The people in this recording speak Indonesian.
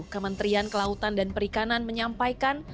kementerian kelautan dan perikanan menyampaikan